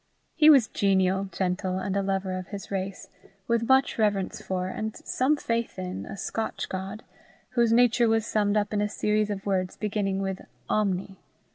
He was genial, gentle, and a lover of his race, with much reverence for, and some faith in, a Scotch God, whose nature was summed up in a series of words beginning with omni.